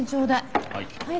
はい。